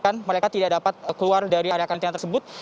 karena mereka tidak dapat keluar dari area karantina tersebut